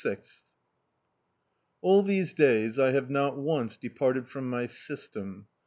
ALL these days I have not once departed from my system.